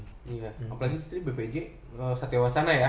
apalagi itu bpj satya wacana ya